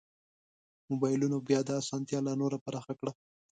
مبایلونو بیا دا اسانتیا لا نوره پراخه کړه.